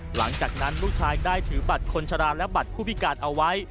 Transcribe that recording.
หลังจากนั้นลูกชายได้ถือบัตรคนชะลาและบัตรผู้พิการเอาไว้